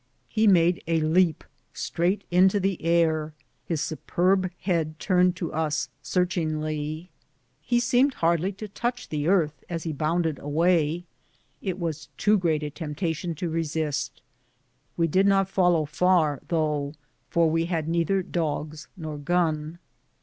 He made a leap straight into the air, his superb head turned to us search ingly. He seemed hardly to touch the earth as he bounded away. It was too great a temptation to re sist. We did not follow far though, for we had neither dogs nor gun.